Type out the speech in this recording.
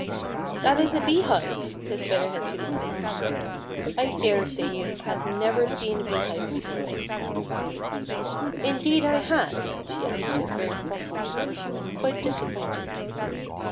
" That is a beehive," said Feather Head to the Princess ;" I daresay you had never seen a beehive before." " Indeed I had," she answered very crossly, for she was quite disappointed.